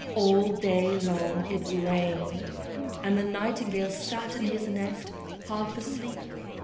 All day long it rained, and the Nightingale sat in his nest half asleep.